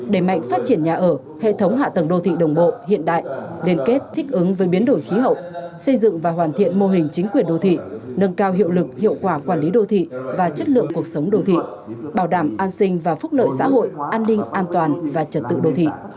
đẩy mạnh phát triển nhà ở hệ thống hạ tầng đô thị đồng bộ hiện đại liên kết thích ứng với biến đổi khí hậu xây dựng và hoàn thiện mô hình chính quyền đô thị nâng cao hiệu lực hiệu quả quản lý đô thị và chất lượng cuộc sống đô thị bảo đảm an sinh và phúc lợi xã hội an ninh an toàn và trật tự đô thị